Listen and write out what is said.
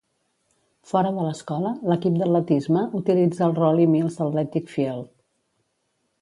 Fora de l'escola, l'equip d'atletisme utilitza el Rollie Miles Athletic Field.